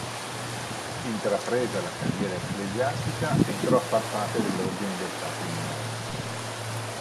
Intrapresa la carriera ecclesiastica, entrò a far parte dell'Ordine dei Frati Minori.